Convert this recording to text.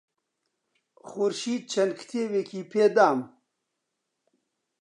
خورشید چەند کتێبێکی پێدام.